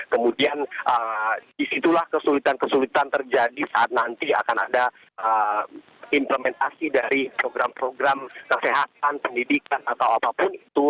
kemudian disitulah kesulitan kesulitan terjadi saat nanti akan ada implementasi dari program program kesehatan pendidikan atau apapun itu